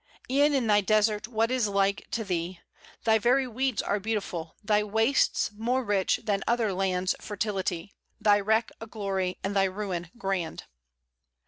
"E'en in thy desert what is like to thee? Thy very weeds are beautiful; thy wastes More rich than other lands' fertility; Thy wreck a glory, and thy ruin grand."